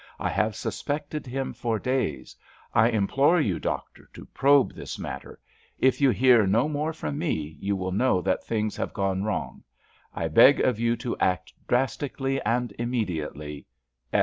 I have suspected him for days. I implore you, doctor, to probe this matter. If you hear no more from me you will know that things have gone wrong. I beg of you to act drastically and immediately.